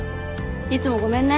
いつもごめんね。